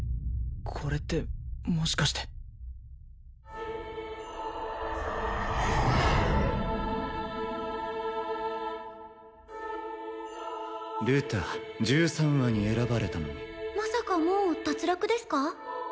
これってもしかしてルタ１３羽に選ばれたのにまさかもう脱落ですか？